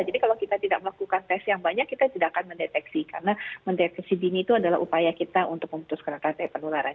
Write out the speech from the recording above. jadi kalau kita tidak melakukan tes yang banyak kita tidak akan mendeteksi karena mendeteksi dini itu adalah upaya kita untuk memutuskan kesehatan penularan